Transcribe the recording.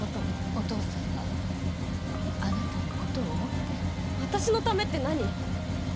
お父さんはあなたのことを思って私のためって何？